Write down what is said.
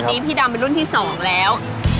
พี่ดำเป็นรุ่นที่๒แล้ว